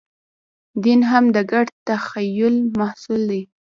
دین هم د ګډ تخیل محصول دی.